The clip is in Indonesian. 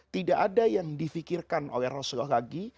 tidak ada yang difikirkan oleh rasulullah lagi